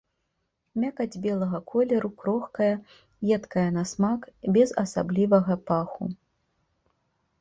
Мякаць белага колеру, крохкая, едкая на смак, без асаблівага паху.